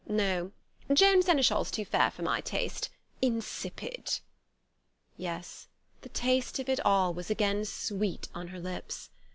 No, Joan Senechal's too fair for my taste.... Insipid...." Yes: the taste of it all was again sweet on her lips.